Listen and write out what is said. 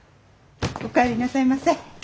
お帰りなさいませ。